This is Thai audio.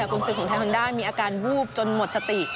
คุณศึกของไทยฮอนด้ามีอาการวูบจนหมดสติ